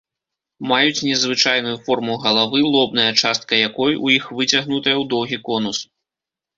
Маюць незвычайную форму галавы, лобная частка якой у іх выцягнутая ў доўгі конус.